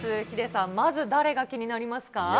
ヒデさん、まず誰が気になりますか。